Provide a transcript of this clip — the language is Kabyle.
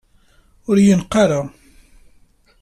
Ur yi-neqq ara!